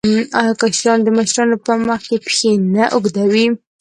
آیا کشران د مشرانو په مخ کې پښې نه اوږدوي؟